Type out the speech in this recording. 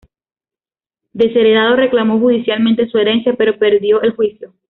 Desheredado, reclamó judicialmente su herencia, pero perdió el juicio.